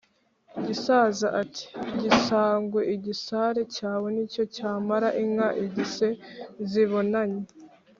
gisaza ati: “gisagwe igisare cyawe ni cyo cyamara inka igise nzibonanye!”